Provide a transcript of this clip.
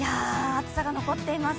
暑さが残っています。